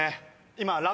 今。